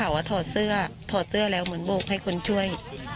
ว่าถอดเสื้อถอดเสื้อแล้วเหมือนโบกให้คนช่วย